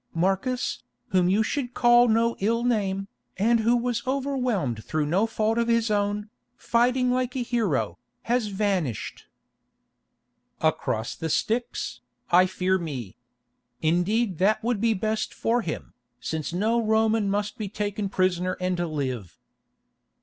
Marcus, whom you should call no ill name, and who was overwhelmed through no fault of his own, fighting like a hero, has vanished——" "Across the Styx, I fear me. Indeed that would be best for him, since no Roman must be taken prisoner and live."